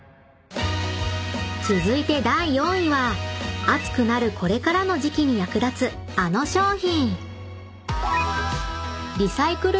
［続いて第４位は暑くなるこれからの時季に役立つあの商品］